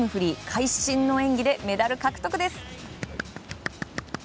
会心の演技でメダル獲得です！